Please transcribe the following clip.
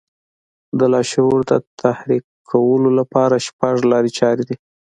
د لاشعور د تحريکولو لپاره شپږ لارې چارې دي.